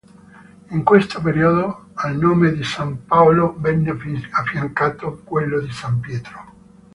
In questo periodo al nome di San Paolo venne affiancato quello di San Pietro.